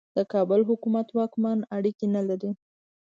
د کابل حکومت واکمن اړیکې نه لري.